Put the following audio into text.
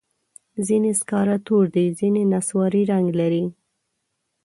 ځینې سکاره تور دي، ځینې نسواري رنګ لري.